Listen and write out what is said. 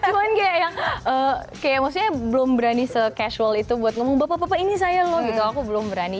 cuman kayak yang kayak maksudnya belum berani se casual itu buat ngomong bapak bapak ini saya loh gitu aku belum berani